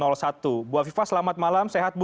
ibu afifah selamat malam sehat bu